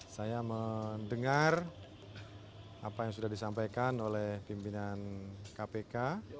saya mendengar apa yang sudah disampaikan oleh pimpinan kpk